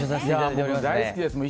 僕大好きです。